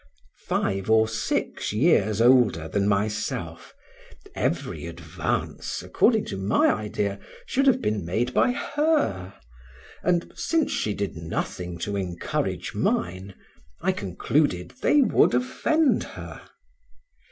Five or six years older than myself, every advance, according to my idea, should have been made by her, and, since she did nothing to encourage mine, I concluded they would offend her.